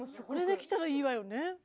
これできたらいいわよね。